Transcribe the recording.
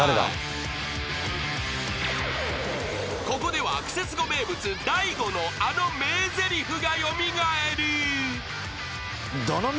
［ここでは『クセスゴ』名物大悟のあの名ぜりふが蘇る］